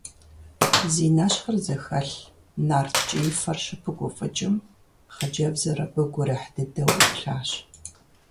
Зи нэщхъыр зэхэлъ, нарт ткӀиифэр щыпыгуфӀыкӀым, хъыджэбзыр абы гурыхь дыдэу Ӏуплъащ.